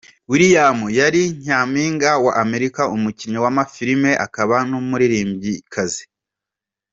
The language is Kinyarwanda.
Williams, yari nyampinga wa Amerika, umukinnyi w’amafilime akaba n’umuririmbyikazi.